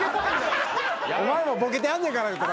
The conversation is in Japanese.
お前も「ボケてはんねんから」とか言うな。